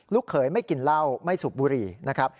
เขยไม่กินเหล้าไม่สูบบุหรี่นะครับ